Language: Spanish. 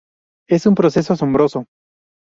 Es un proceso asombroso.